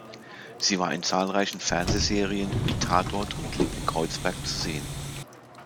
Sie war in zahlreichen Fernsehserien wie "Tatort" und "Liebling Kreuzberg" zu sehen.